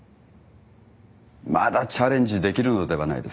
まだチャレンジできるのではないですか。